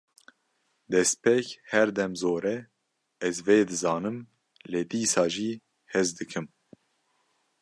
Destpêk herdem zor e, ez vê dizanim lê dîsa jî hez dikim